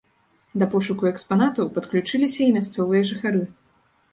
Да пошуку экспанатаў падключыліся і мясцовыя жыхары.